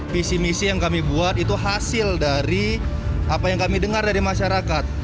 visi misi yang kami buat itu hasil dari apa yang kami dengar dari masyarakat